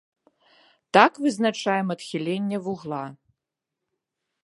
Так вызначаем адхіленне вугла.